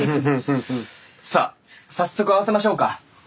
さあ早速合わせましょうか。